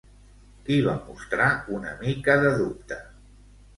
Qui va mostrar una mica de dubte?